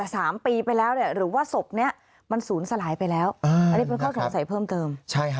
สามปีไปแล้วเนี่ยหรือว่าศพเนี้ยมันศูนย์สลายไปแล้วอันนี้เป็นข้อสงสัยเพิ่มเติม